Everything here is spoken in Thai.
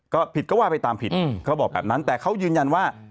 ก็ผิดก็ว่าไปตามผิดเขาบอกแบบนั้นแต่เขายืนยันว่า